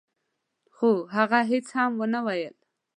خو هغه هيڅ هم ونه ويل.